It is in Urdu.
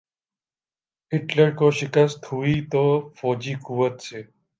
ہٹلر کو شکست ہوئی تو فوجی قوت سے۔